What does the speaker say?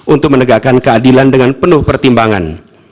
untuk menegakkan keadilan dengan penuh pertimbangan